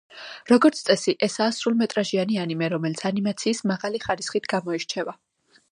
როგორც წესი, ესაა სრულმეტრაჟიანი ანიმე, რომელიც ანიმაციის მაღალი ხარისხით გამოირჩევა.